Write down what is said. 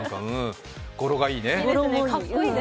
語呂がいいね。